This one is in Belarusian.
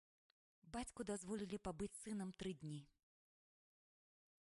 Бацьку дазволілі пабыць з сынам тры дні.